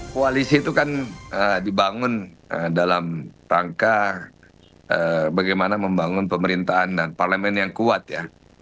koalisi itu kan dibangun dalam tangka bagaimana membangun pemerintahan dan parlemen yang kuat ya